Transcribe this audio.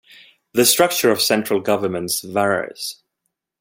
The structure of central governments varies.